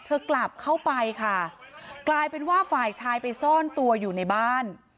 กลับเข้าไปค่ะกลายเป็นว่าฝ่ายชายไปซ่อนตัวอยู่ในบ้าน